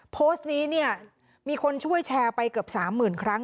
โพสต์นี้เนี่ยมีคนช่วยแชร์ไปเกือบ๓๐๐๐ครั้ง